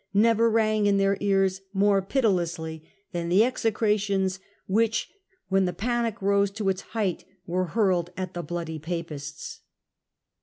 * never rang in their ears more pitilessly than the execrations which, when the panic rose to its height, were hurled at the * Bloody Papists.